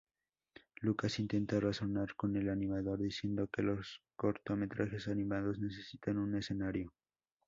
Lucas intenta razonar con el animador diciendo que los cortometrajes animados necesitan un escenario.